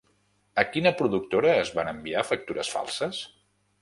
A quina productora es van enviar factures falses?